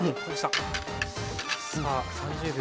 さあ３０秒。